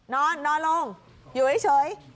นอนนอนลงอยู่เฉย